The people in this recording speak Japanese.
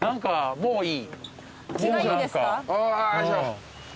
もういい。